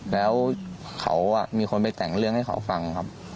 แล้วเขามีคนไปแต่งเรื่องให้เขาฟังครับ